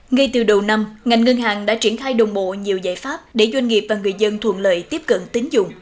ngay từ đầu năm ngành ngân hàng đã triển khai đồng bộ nhiều giải pháp để doanh nghiệp và người dân thuận lợi tiếp cận tín dụng